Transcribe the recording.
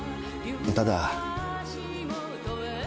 ただ。